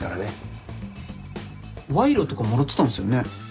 賄賂とかもらってたんすよね？